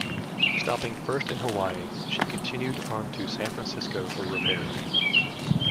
Stopping first in Hawaii, she continued on to San Francisco for repairs.